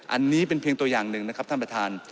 อันนี้เป็นเพียงตัวอย่างหนึ่งนะครับท่านประธาน